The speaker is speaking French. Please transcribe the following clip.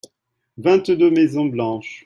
vingt deux maisons blanches.